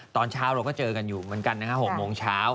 ตอนเช้าเราก็เจอกันอยู่เหมือนกันนะฮะ๖โมงเช้า